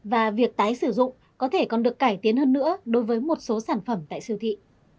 và việc tái sử dụng có thể còn được cải tiến hơn nữa đối với một số sản phẩm tại siêu thị